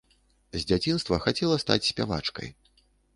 З дзяцінства хацела стаць спявачкай.